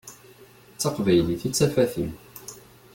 D taqbaylit i d tafat-im.